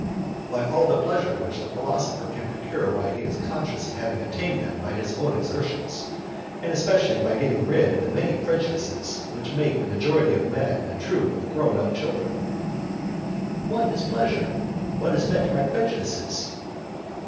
"By all the pleasure which the philosopher can procure when he is conscious of having obtained them by his own exertions, and especially by getting rid of the many prejudices which make of the majority of men a troop of grown up children." "What is pleasure? What is meant by prejudices?"